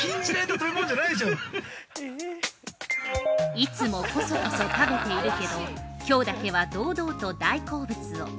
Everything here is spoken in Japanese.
◆いつもこそこそ食べているけど、きょうだけは堂々と大好物を。